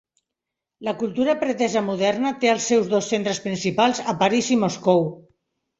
La cultura pretesa moderna té els seus dos centres principals a París i Moscou.